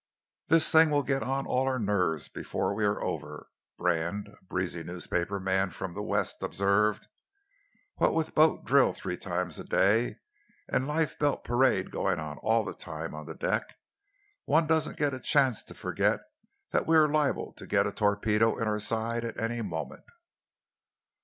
"This thing will get on all our nerves before we are over," Brand, a breezy newspaper man from the West, observed. "What with boat drill three times a day, and lifebelt parade going on all the time on the deck, one doesn't get a chance to forget that we are liable to get a torpedo in our side at any moment."